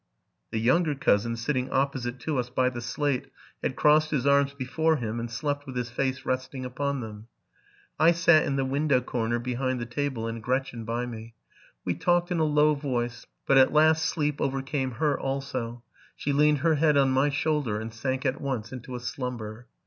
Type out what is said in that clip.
The younger cousin, sitting opposite to us by the slate, had crossed his arms before him, and slept with his face resting upon them. I sat in the window corner, behind the table, and Gretchen i el ee we ee eee i>) RELATING TO MY LIFE. 165 by me. We talked in a low voice: but at last sleep over came her also ; she leaned her head on my shoulder, and sank at once into a slumber.